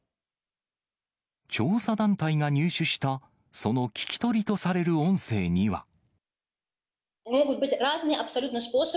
調査団体が入手したその聞き取りとされる音声には。